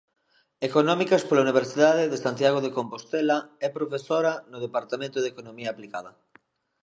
Económicas pola Universidade de Santiago de Compostela é profesora no Departamento de Economía Aplicada.